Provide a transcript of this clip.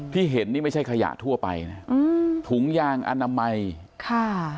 ที่เห็นนี่ไม่ใช่ขยะทั่วไปนะอืมถุงยางอนามัยค่ะ